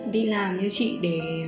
đi làm như chị để